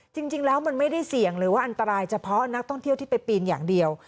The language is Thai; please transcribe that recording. จริงแล้วมันไม่ได้เสี่ยงหรือว่าอันตรายเฉพาะนักท่องเที่ยวที่ไปปีนอย่างเดียว